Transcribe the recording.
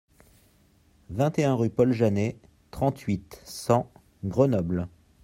vingt et un rue Paul Janet, trente-huit, cent, Grenoble